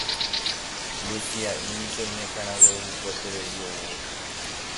Luchia'i niko iñakãraguevukueterei oúvo